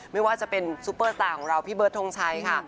ไม่ว่าจะเป็นซุปเปอร์สตาร์ของเราพี่เบิร์ดทงชัยค่ะ